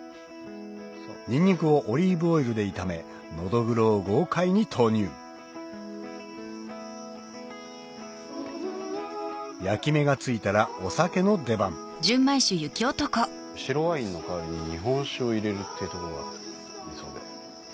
ニンニクをオリーブオイルで炒めのどぐろを豪快に投入焼き目が付いたらお酒の出番白ワインの代わりに日本酒を入れるっていうところがミソ。